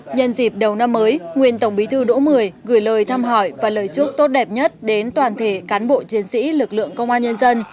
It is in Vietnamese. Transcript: nhân dịp đầu năm mới nguyên tổng bí thư đỗ mười gửi lời thăm hỏi và lời chúc tốt đẹp nhất đến toàn thể cán bộ chiến sĩ lực lượng công an nhân dân